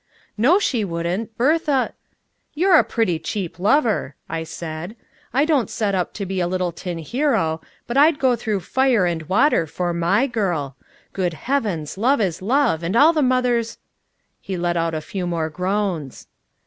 "No, she wouldn't. Bertha " "You're a pretty cheap lover," I said. "I don't set up to be a little tin hero, but I'd go through fire and water for my girl. Good heavens, love is love, and all the mothers " He let out a few more groans.